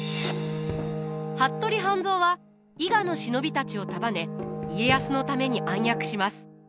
服部半蔵は伊賀の忍びたちを束ね家康のために暗躍します。